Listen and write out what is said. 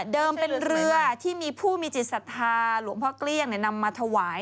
เป็นเรือที่มีผู้มีจิตศรัทธาหลวงพ่อเกลี้ยงนำมาถวาย